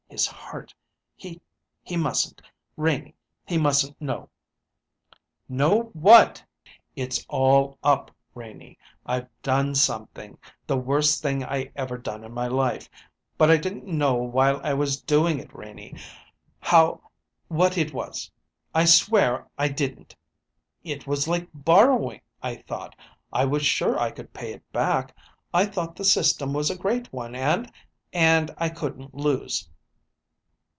His heart he he mustn't, Renie he mustn't know." "Know what?" "It's all up, Renie. I've done something the worst thing I ever done in my life; but I didn't know while I was doing it, Renie, how what it was. I swear I didn't! It was like borrowing, I thought. I was sure I could pay it back. I thought the system was a great one and and I couldn't lose."